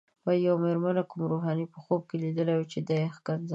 وايي یوې مېرمنې کوم روحاني په خوب لیدلی و چې دا یې ښکنځله.